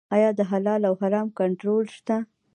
آیا د حلال او حرام کنټرول شته؟